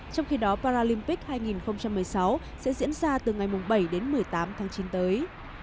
trong khi đó paralympic hai nghìn một mươi sáu sẽ diễn ra từ ngày năm tháng tám tới